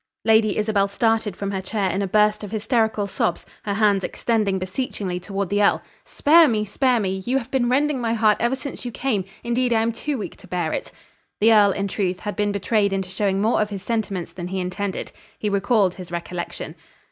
Lady Isabel started from her chair in a burst of hysterical sobs, her hands extended beseechingly toward the earl. "Spare me! Spare me! You have been rending my heart ever since you came; indeed I am too weak to bear it." The earl, in truth, had been betrayed into showing more of his sentiments than he intended. He recalled his recollection.